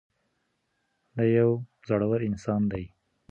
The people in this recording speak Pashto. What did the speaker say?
دی یو زړور انسان دی.